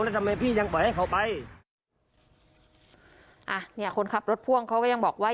แล้วทำไมพี่ยังปล่อยให้เขาไปอ่ะเนี่ยคนขับรถพ่วงเขาก็ยังบอกว่า